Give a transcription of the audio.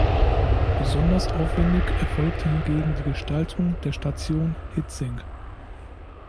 Besonders aufwändig erfolgte hingegen die Gestaltung der Station Hietzing.